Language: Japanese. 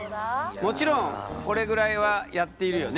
もちろんこれぐらいはやっているよね？